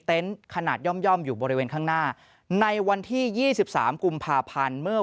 ขนาดย่อมอยู่บริเวณข้างหน้าในวันที่๒๓กุมภาพันธ์เมื่อ